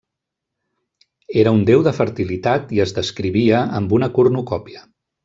Era un déu de fertilitat i es descrivia amb una cornucòpia.